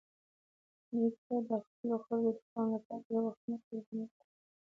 نیکه د خپلو خلکو د پاملرنې لپاره ډېری وختونه قرباني ورکوي.